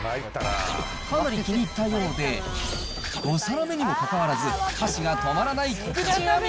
かなり気に入ったようで、５皿目にもかかわらず、箸が止まらない菊地亜美。